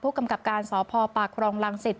ผู้กำกับการสพปากครองลังศิษย์